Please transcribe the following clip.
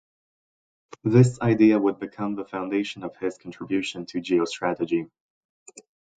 This idea would become the foundation of his contribution to geostrategy.